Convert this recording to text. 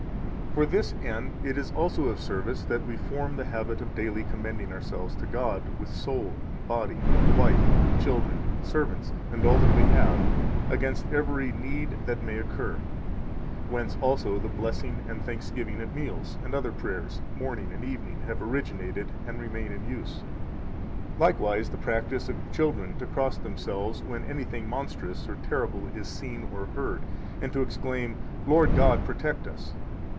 73 For this end it is also of service that we form the habit of daily commending ourselves to God, with soul and body, wife, children, servants, and all that we have, against every need that may occur; whence also the blessing and thanksgiving at meals, and other prayers, morning and evening, have originated and remain in use. 74 Likewise the practice of children to cross themselves when anything monstrous or terrible is seen or heard, and to exclaim: "Lord God, protect us!"